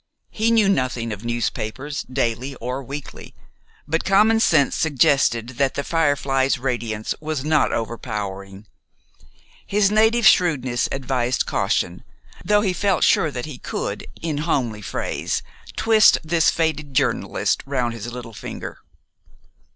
He knew nothing of newspapers, daily or weekly; but commonsense suggested that "The Firefly's" radiance was not over powering. His native shrewdness advised caution, though he felt sure that he could, in homely phrase, twist this faded journalist round his little finger.